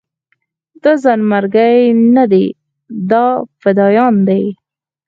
دا ځانمرګي نه دي دا فدايان دي.